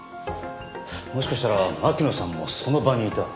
もしかしたら巻乃さんもその場にいた？